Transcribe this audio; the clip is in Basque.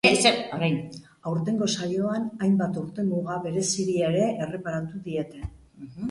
Aurtengo saioan, hainbat urtemuga bereziri ere erreparatu diete.